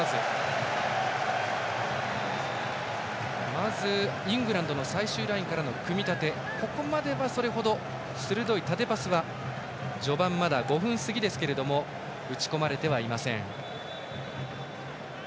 まず、イングランドの最終ラインからの組み立てはここまでは、それほど鋭い縦パスはまだ序盤ですが打ち込まれてはいません。